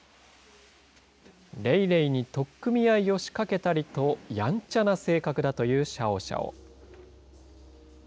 レイレイに取っ組み合いを仕掛けたりと、やんちゃな性格だというシャオシャオ。